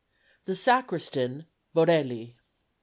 The Sacristan BORELLI.